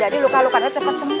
jadi luka lukanya cepat sembuh